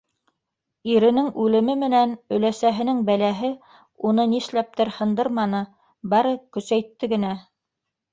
Иренең үлеме менән өләсәһенең бәләһе уны, нишләптер һындырманы, бары көсәйтте генә.